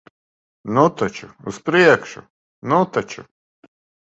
Nu taču, uz priekšu. Nu taču!